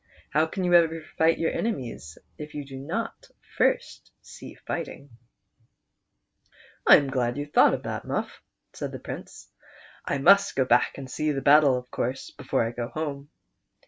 How can you ever fight your enemies if you do not first see fighting .''"*' I am glad you have thought of that, Muff," said rK/.\CE DO KAN. 151 tlie Piincc ;'' I must see the battle of course before I go home.